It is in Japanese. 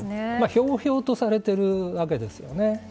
ひょうひょうとされてるわけですよね。